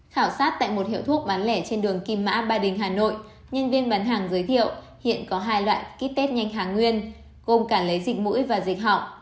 khảo sát tại một hiệu thuốc bán lẻ trên đường kim mã ba đình hà nội nhân viên bán hàng giới thiệu hiện có hai loại ký test nhanh hàng nguyên gồm cả lấy dịch mũi và dịch họng